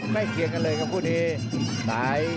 ไม่เคียงกันเลยครับผู้ดี